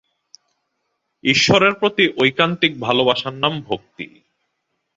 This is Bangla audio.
ঈশ্বরের প্রতি ঐকান্তিক ভালবাসার নাম ভক্তি।